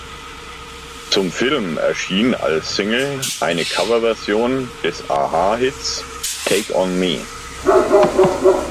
Zum Film erschien als Single eine Coverversion des a-ha-Hits "Take on Me".